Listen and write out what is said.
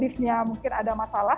liftnya mungkin ada masalah